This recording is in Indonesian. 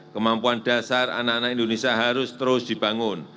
kemampuan dasar anak anak indonesia harus terus dibangun